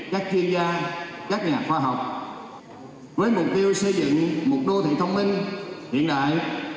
các chuyên gia các nhà khoa học với mục tiêu xây dựng một đô thị thông minh hiện đại